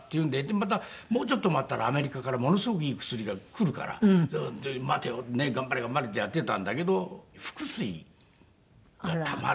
またもうちょっと待ったらアメリカからものすごくいい薬が来るから待てよ頑張れ頑張れってやっていたんだけど腹水がたまるようになっちゃったんですよね。